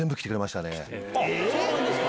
そうなんですか！